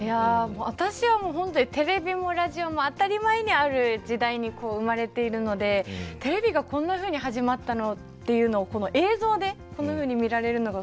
私は本当にテレビもラジオも当たり前にある時代に生まれているのでテレビがこんなふうに始まったっていうのを映像でこんなふうに見られるのがすごい新鮮でした。